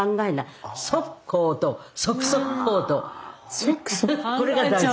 ねっこれが大事。